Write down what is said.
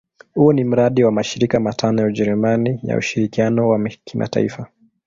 Huu ni mradi wa mashirika matano ya Ujerumani ya ushirikiano wa kimataifa.